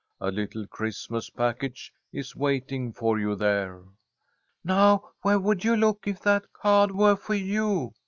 A little Christmas package Is waiting for you there." "Now where would you look if that cah'd were for you?"